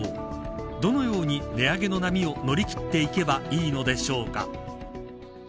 どのように値上げの波を乗り切っていけばいいのでしょうか。